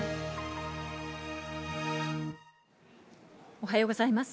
おはようございます。